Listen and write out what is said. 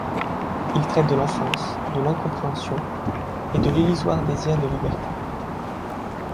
Il traite de l'enfance, de l'incompréhension et de l'illusoire désir de liberté.